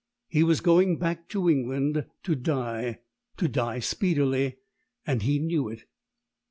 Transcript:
He was going back to England to die to die speedily and he knew it.